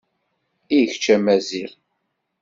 I kečč a Maziɣ.